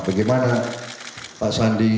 bagaimana pak sandi